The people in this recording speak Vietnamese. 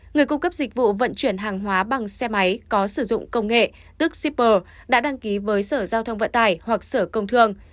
người cung cấp dịch vụ vận chuyển hàng hóa bằng xe máy có sử dụng công nghệ tức shipper đã đăng ký với sở giao thông vận tải hoặc sở công thương